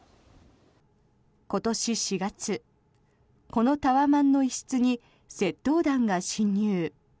今年４月、このタワマンの一室に窃盗団が侵入。